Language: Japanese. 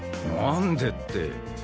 なんでって。